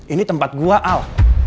ini tempat gua al